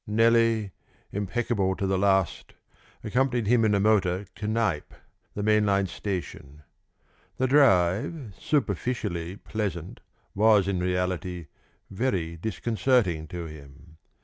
Nellie, impeccable to the last, accompanied him in the motor to Knype, the main line station. The drive, superficially pleasant, was in reality very disconcerting to him.